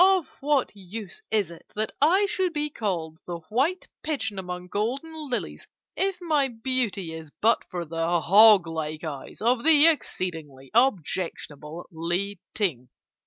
Of what use is it that I should be called the "White Pigeon among Golden Lilies," if my beauty is but for the hog like eyes of the exceedingly objectionable Li Ting?